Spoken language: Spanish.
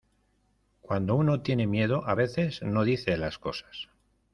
cuando uno tiene miedo, a veces no dice las cosas